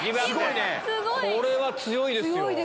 すごい！これは強いですよ。